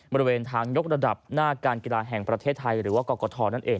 บริเวณทางยกระดับหน้าการกีฬาแห่งประเทศไทยหรือว่ากรกฐนั่นเอง